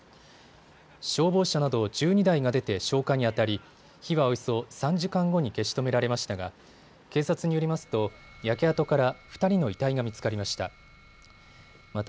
消防車など１２台が出て消火にあたり火はおよそ３時間後に消し止められましたが警察によりますと焼け跡から２人の遺体が見つかりました。